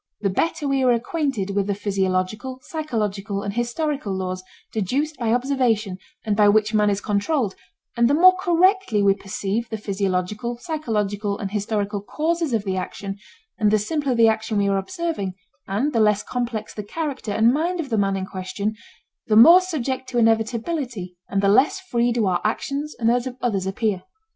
The better we are acquainted with the physiological, psychological, and historical laws deduced by observation and by which man is controlled, and the more correctly we perceive the physiological, psychological, and historical causes of the action, and the simpler the action we are observing and the less complex the character and mind of the man in question, the more subject to inevitability and the less free do our actions and those of others appear.